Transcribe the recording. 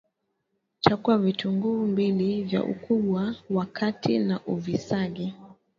Chagua vitunguu mbili vya ukubwa wa kati na uvisage